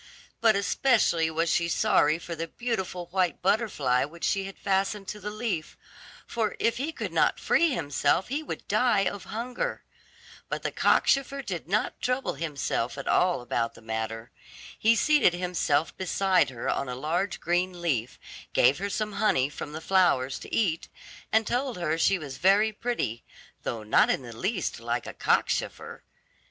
But especially was she sorry for the beautiful white butterfly which she had fastened to the leaf, for if he could not free himself he would die of hunger. But the cockchafer did not trouble himself at all about the matter. He seated himself by her side on a large green leaf, gave her some honey from the flowers to eat, and told her she was very pretty, though not in the least like a cockchafer.